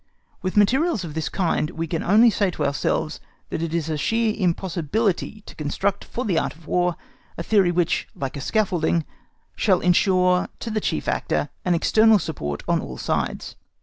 With materials of this kind we can only say to ourselves that it is a sheer impossibility to construct for the Art of War a theory which, like a scaffolding, shall ensure to the chief actor an external support on all sides.